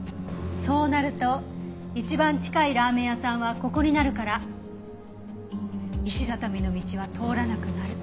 そうなると一番近いラーメン屋さんはここになるから石畳の道は通らなくなる。